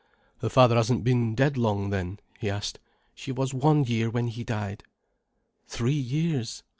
"Her father hasn't been dead long, then?" he asked. "She was one year when he died." "Three years?"